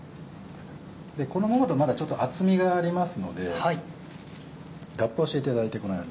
このままだとまだ厚みがありますのでラップをしていただいてこのように。